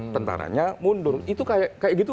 tentaranya mundur itu kayak gitu